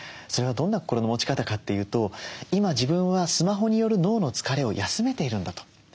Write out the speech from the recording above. それはどんな心の持ち方かっていうと今自分はスマホによる脳の疲れを休めているんだと。